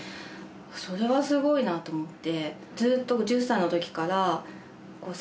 それはすごいなと思って。